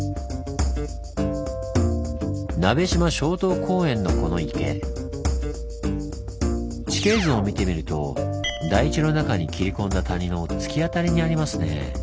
鍋島松濤公園のこの池地形図を見てみると台地の中に切り込んだ谷の突き当たりにありますねぇ。